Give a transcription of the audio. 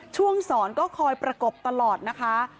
สอนก็คอยประกบตลอดนะคะ